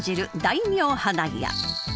「大名花屋」。